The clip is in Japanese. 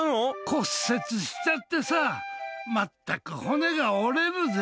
骨折しちゃってさ、全く骨が折れるぜ。